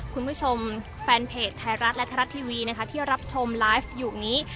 แฟนเพจไทยรัฐและทรัฐทีวีนะคะที่รับชมไลฟ์อยู่นี้